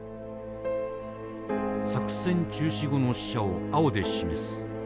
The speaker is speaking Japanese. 作戦中止後の死者を青で示す。